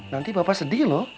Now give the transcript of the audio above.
nanti bapak sedih loh